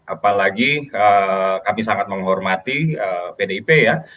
apalagi kami sangat menghormati pdip ya